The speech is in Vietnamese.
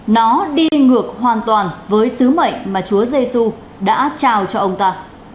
nó đi ngược hoàn toàn với sứ mệnh mà chúa giê xu đã trao cho ông ta